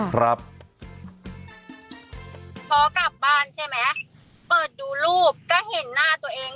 พอกลับบ้านใช่ไหมเปิดดูรูปก็เห็นหน้าตัวเอง